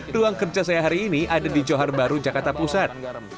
ruang kerja saya hari ini ada di johar baru jakarta pusat